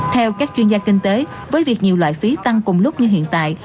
theo các chuyên gia kinh tế với việc nhiều loại phí tăng cùng lúc như hiện tại